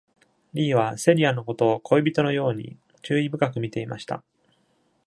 リーは、セリアのことを恋人のように、注意深く見ていました。